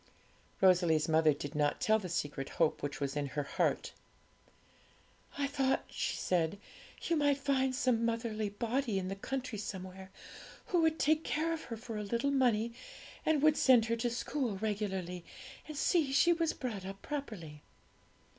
Rosalie's mother did not tell the secret hope which was in her heart. 'I thought,' she said, 'you might find some motherly body in the country somewhere, who would take care of her for very little money, and would send her to school regularly, and see she was brought up properly.'